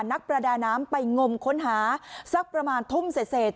นักประดาน้ำไปงมค้นหาสักประมาณทุ่มเสร็จ